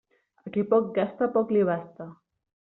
A qui poc gasta, poc li basta.